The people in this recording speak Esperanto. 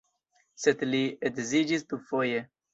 Sed li edziĝis dufoje.